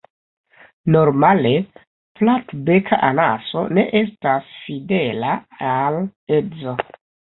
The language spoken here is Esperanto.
Normale Platbeka anaso ne estas fidela al edzo.